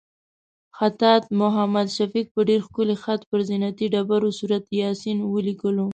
خطاط محمد شفیق په ډېر ښکلي خط پر زینتي ډبرو سورت یاسین ولیکلو.